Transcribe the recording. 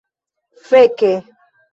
feke